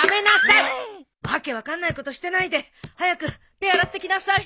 訳分かんないことしてないで早く手洗ってきなさい。